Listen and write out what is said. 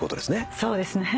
そうですね。